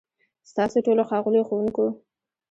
ستاسو ټولو، ښاغليو ښوونکو،